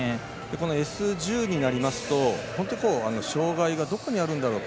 このＳ１０になりますと本当に障がいがどこにあるんだろうと。